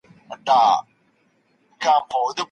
فيلسوف وايي چي بشپړتيا ته رسېدل ټولنيز ژوند غواړي.